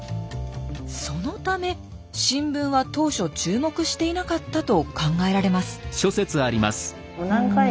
そのため新聞は当初注目していなかったと考えられます。